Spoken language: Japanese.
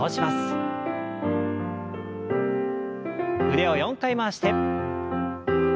腕を４回回して。